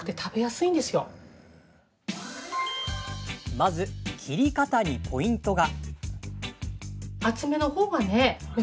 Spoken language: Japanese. まず、切り方にポイントが。